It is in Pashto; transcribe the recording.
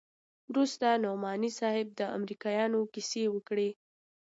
وروسته نعماني صاحب د امريکايانو کيسې وکړې.